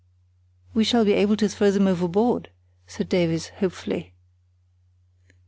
("We shall be able to throw them overboard," said Davies, hopefully.)